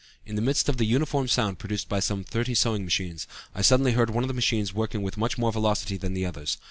In the midst of the uniform sound produced by some thirty sewing machines, I suddenly heard one of the machines working with much more velocity than the others.